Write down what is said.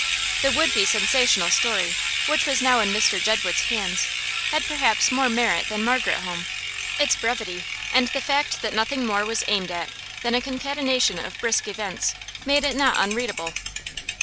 The would be sensational story which was now in Mr Jedwood's hands had perhaps more merit than 'Margaret Home'; its brevity, and the fact that nothing more was aimed at than a concatenation of brisk events, made it not unreadable.